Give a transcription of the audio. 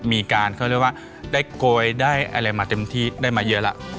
มีการเขาเรียกว่าได้โกยได้อะไรมาเต็มที่ได้มาเยอะแล้ว